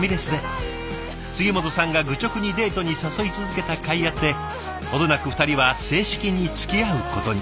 杉本さんが愚直にデートに誘い続けたかいあって程なく２人は正式につきあうことに。